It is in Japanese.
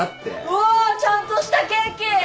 うわ！ちゃんとしたケーキ！